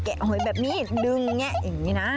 หอยแบบนี้ดึงแงะอย่างนี้นะ